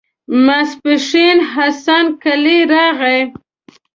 ماسپښين حسن قلي راغی.